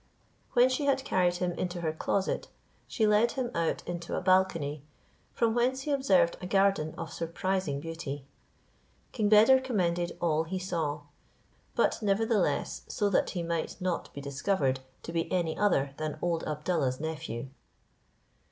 When she had carried him into her closet, she led him out into a balcony, from whence he observed a garden of surprising beauty. King Beder commended all he saw, but nevertheless so that he might not be discovered to be any other than old Abdallah's nephew.